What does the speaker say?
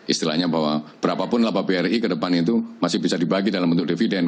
istilahnya bahwa berapapun laba bri ke depan itu masih bisa dibagi dalam bentuk dividen